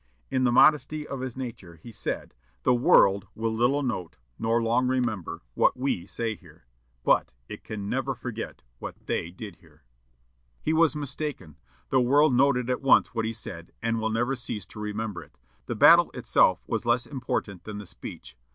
In the modesty of his nature, he said, 'The world will little note, nor long remember, what we say here; but it can never forget what they did here.' "He was mistaken. The world noted at once what he said, and will never cease to remember it. The battle itself was less important than the speech.